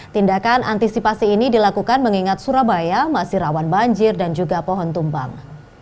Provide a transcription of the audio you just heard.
tindakan antisipasi ini dilakukan mengingat surabaya masih rawan banjir dan juga pohon tumbang